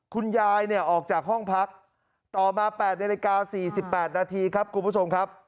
คุณยายเนี่ยออกจากห้องพักต่อมา๘นาฬิกา๔๘นาทีครับคุณผู้ชมครับ